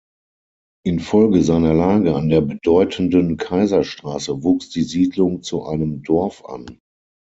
Infolge seiner Lage an der bedeutenden Kaiserstraße wuchs die Siedlung zu einem Dorf an.